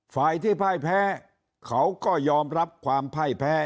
ฝ่ายที่พ่ายแพ้เขาก็ยอมรับความพ่ายแพ้